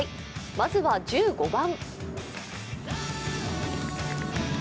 まずは１５番。